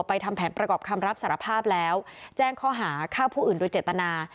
ทำแผนประกอบคำรับสารภาพแล้วแจ้งข้อหาฆ่าผู้อื่นโดยเจตนา